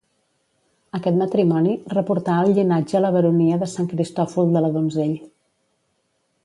Aquest matrimoni reportà al llinatge la baronia de Sant Cristòfol de la Donzell.